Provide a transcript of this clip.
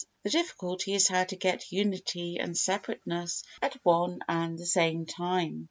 The difficulty is how to get unity and separateness at one and the same time.